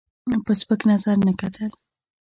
په سپک نظر نه کتل.